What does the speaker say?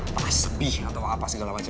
pahas bih atau apa segala macem